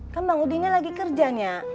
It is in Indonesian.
kan bang udinnya lagi kerja nya